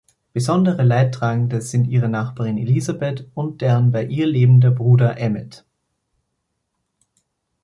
Besondere Leidtragende sind ihre Nachbarin Elizabeth und deren bei ihr lebender Bruder Emmett.